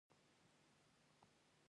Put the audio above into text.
دوی ته باید کاري فرصتونه برابر شي.